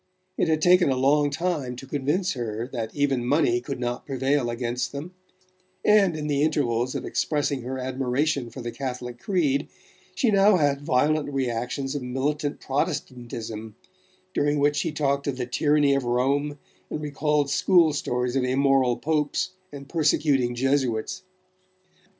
It had taken a long time to convince her that even money could not prevail against them; and, in the intervals of expressing her admiration for the Catholic creed, she now had violent reactions of militant Protestantism, during which she talked of the tyranny of Rome and recalled school stories of immoral Popes and persecuting Jesuits.